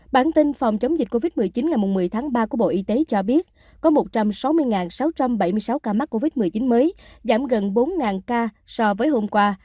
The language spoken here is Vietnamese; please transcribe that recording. bản tin phòng chống dịch covid một mươi chín ngày một mươi tháng ba của bộ y tế cho biết có một trăm sáu mươi sáu trăm bảy mươi sáu ca mắc covid một mươi chín mới giảm gần bốn ca so với hôm qua